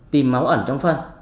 tìm máu ẩn trong phân